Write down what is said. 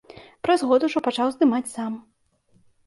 Праз год ужо пачаў здымаць сам.